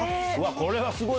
これすごい！